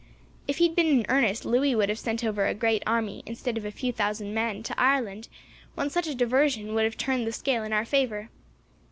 If he had been in earnest, Louis would have sent over a great army, instead of a few thousand men, to Ireland, when such a diversion would have turned the scale in our favour.